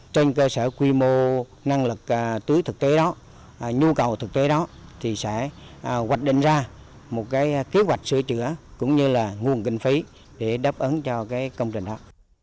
trên cơ sở quy mô năng lực tưới thực tế đó nhu cầu thực tế đó thì sẽ hoạch định ra một kế hoạch sửa chữa cũng như là nguồn kinh phí để đáp ứng cho công trình đó